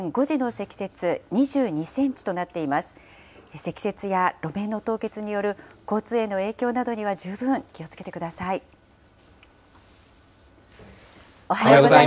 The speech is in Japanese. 積雪や路面の凍結による交通への影響などには十分気をつけてください。